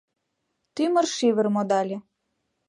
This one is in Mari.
Тӱмыр-шӱвыр модале.